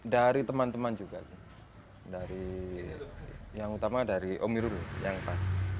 dari teman teman juga dari yang utama dari om irul yang pas